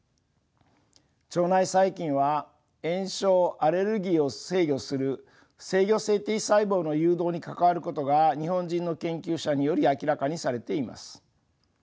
腸内細菌は炎症アレルギーを制御する制御性Ｔ細胞の誘導に関わることが日本人の研究者により明らかにされています。